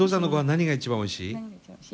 何が一番おいしい？